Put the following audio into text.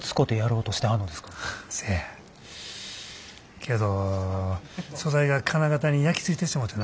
けど素材が金型に焼き付いてしもてな。